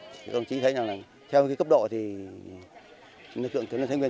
chúng ta chỉ thấy là theo cấp độ thì lực lượng chủ năng thanh nguyên